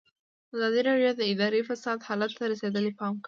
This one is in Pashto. ازادي راډیو د اداري فساد حالت ته رسېدلي پام کړی.